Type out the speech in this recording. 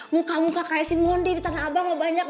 muka muka kayak si mondi di tanah abang lu banyak